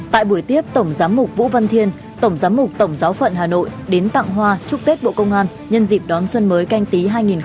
tại buổi tiếp tổng giám mục vũ văn thiên tổng giám mục tổng giáo phận hà nội đến tặng hoa chúc tết bộ công an nhân dịp đón xuân mới canh tí hai nghìn hai mươi